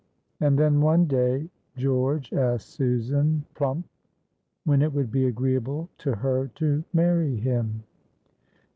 And then one day George asked Susan, plump, when it would be agreeable to her to marry him.